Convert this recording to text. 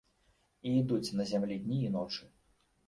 І ідуць на зямлі дні і ночы.